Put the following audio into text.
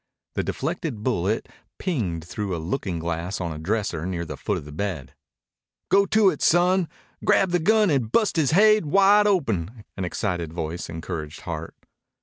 The deflected bullet pinged through a looking glass on a dresser near the foot of the bed. "Go to it, son! Grab the gun and bust his haid wide open!" an excited voice encouraged Hart.